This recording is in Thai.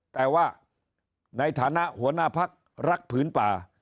แต่ว่าในฐานะหัวหน้าพักรักผืนป่า